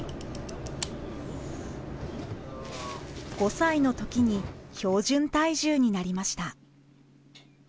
５歳のときに標準体重になりました。